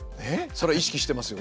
それは意識してますよね？